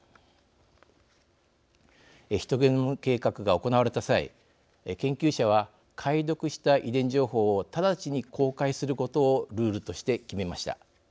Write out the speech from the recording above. ヒトゲノム計画が行われた際研究者は解読した遺伝情報を直ちに公開することをルールとして決めました。